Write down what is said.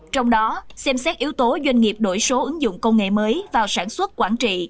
trong đó xem xét yếu tố doanh nghiệp đổi số ứng dụng công nghệ mới vào sản xuất quản trị